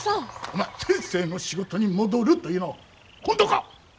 お前先生の仕事に戻るというのは本当か？